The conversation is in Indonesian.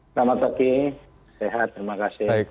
selamat pagi sehat terima kasih